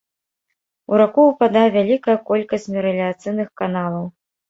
У раку ўпадае вялікая колькасць меліярацыйных каналаў.